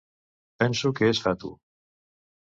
Penso que es fatu.